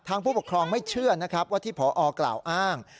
ผู้ปกครองไม่เชื่อนะครับว่าที่พอกล่าวอ้าง